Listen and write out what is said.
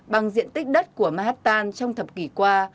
bằng diện tích đất của manhattan trong thập kỷ qua